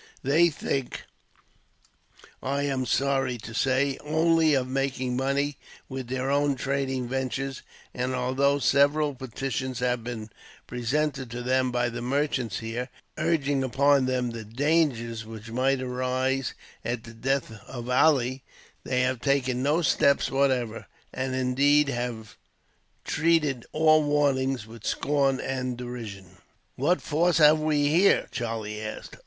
They think, I am sorry to say, only of making money with their own trading ventures; and although several petitions have been presented to them, by the merchants here, urging upon them the dangers which might arise at the death of Ali, they have taken no steps whatever, and indeed have treated all warnings with scorn and derision." "What force have we here?" Charlie asked.